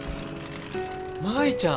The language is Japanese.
舞ちゃん！